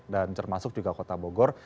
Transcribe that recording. dan termasuk juga kota bogor